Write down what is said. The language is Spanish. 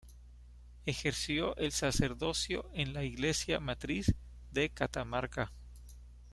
Ejerció el sacerdocio en la iglesia matriz de Catamarca.